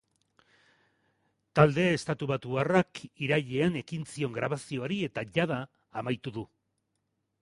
Talde estatubatuarrak irailean ekin zion grabazioari eta jada amaitu du.